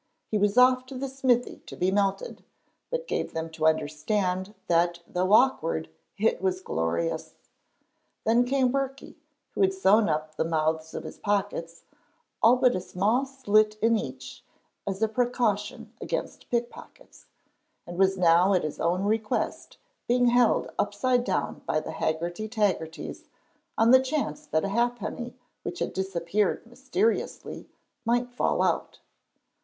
He was off to the smithy to be melted, but gave them to understand that though awkward it was glorious. Then came Birkie, who had sewn up the mouths of his pockets, all but a small slit in each, as a precaution against pickpockets, and was now at his own request being held upside down by the Haggerty Taggertys on the chance that a halfpenny which had disappeared mysteriously might fall out.